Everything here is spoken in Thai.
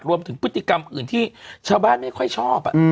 รวมถึงพฤติกรรมอื่นที่ชาวบ้านไม่ค่อยชอบ